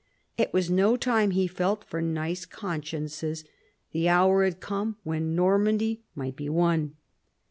It was no time, he felt, for nice consciences. The hour had come when Nor mandy might be won.